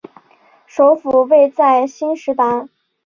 首府位在兴实达。